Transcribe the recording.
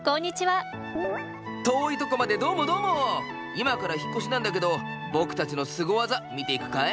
今から引っ越しなんだけど僕たちのスゴ技見ていくかい？